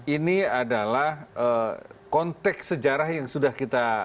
ini adalah konteks sejarah yang sudah kita